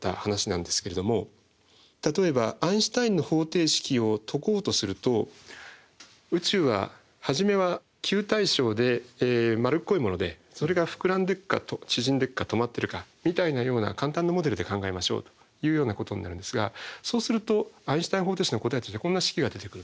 例えばアインシュタインの方程式を解こうとすると宇宙は初めは球対称で丸っこいものでそれが膨らんでいくか縮んでいくか止まってるかみたいなような簡単なモデルで考えましょうというようなことになるんですがそうするとアインシュタイン方程式の答えとしてこんな式が出てくるんですね。